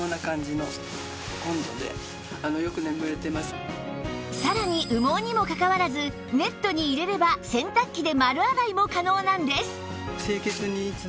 ホントにさらに羽毛にもかかわらずネットに入れれば洗濯機で丸洗いも可能なんです